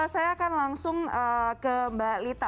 saya akan langsung ke mbak lita